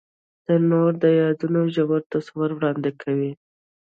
تنور د یادونو ژور تصویر وړاندې کوي